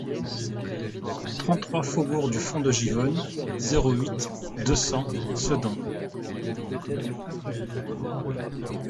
trente-trois faubourg du Fond de Givonne, zéro huit, deux cents, Sedan